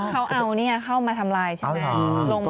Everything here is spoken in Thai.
เขาเอาเข้ามาทำร้ายใช่ไหม